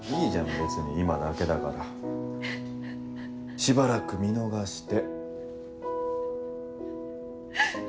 別に今だけだから。しばらく見逃して。